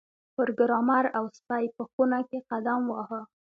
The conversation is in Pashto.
پروګرامر او سپی په خونه کې قدم واهه